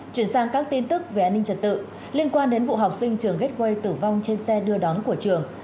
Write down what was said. chuyển sang các tin tức về an ninh trật tự liên quan đến vụ học sinh trường gateway tử vong trên xe đưa đón của trường